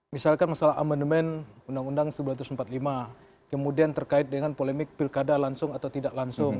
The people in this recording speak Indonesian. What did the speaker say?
misalkan masalah amendement undang undang seribu sembilan ratus empat puluh lima kemudian terkait dengan polemik pilkada langsung atau tidak langsung